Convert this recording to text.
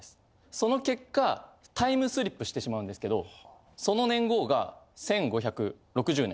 その結果タイムスリップしてしまうんですけどその年号が１５６０年。